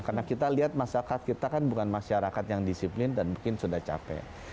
karena kita lihat masyarakat kita kan bukan masyarakat yang disiplin dan mungkin sudah capek